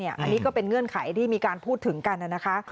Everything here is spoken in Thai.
อันนี้ก็เป็นเงื่อนไขที่มีการพูดถึงกันนะคะ